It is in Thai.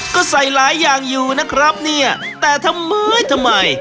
ก็ใส่หลายอย่างอยู่นะครับเนี่ยแต่ทำไมทำไม